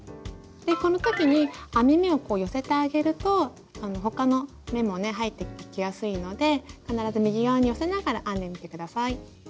この時に編み目をこう寄せてあげると他の目もね入っていきやすいので必ず右側に寄せながら編んでみて下さい。